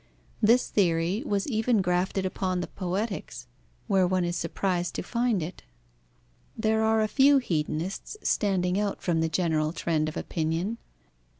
This theory was even grafted upon the Poetics, where one is surprised to find it. There are a few hedonists standing out from the general trend of opinion.